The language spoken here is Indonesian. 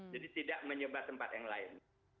jadi tidak menyebabkan tempat yang lain